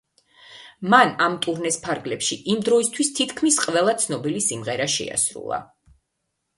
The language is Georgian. მან ამ ტურნეს ფარგლებში იმ დროისთვის თითქმის ყველა ცნობილი სიმღერა შეასრულა.